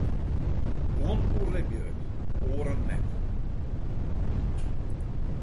Guon oerlibje it, oaren net.